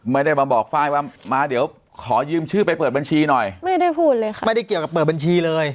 ไม่ได้มาบอกไฟล์ว่ามาเดี๋ยวขอยืมชื่อไปเปิดบัญชีหน่อยไม่ได้พูดเลยค่ะไม่ได้เกี่ยวกับเปิดบัญชีเลย